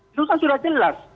itu kan sudah jelas